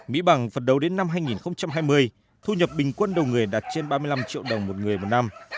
mỹ bằng phần đầu đến năm hai nghìn hai mươi thu nhập bình quân đầu người đạt trên ba mươi năm triệu đồng một người một năm